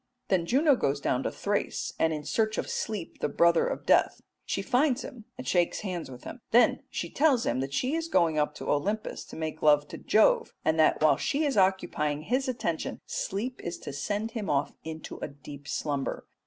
Then Juno goes down to Thrace, and in search of Sleep the brother of Death. She finds him and shakes hands with him. Then she tells him she is going up to Olympus to make love to Jove, and that while she is occupying his attention Sleep is to send him off into a deep slumber.